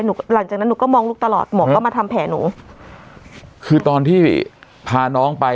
หลังจากนั้นหนูก็มองลูกตลอดหมอก็มาทำแผลหนูคือตอนที่พาน้องไป